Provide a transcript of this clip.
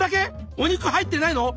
お肉入ってないの？